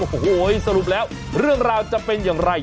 โอ้โหสรุปแล้วเรื่องราวจะเป็นอย่างไร